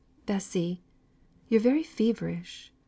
"Bessy; you're very feverish!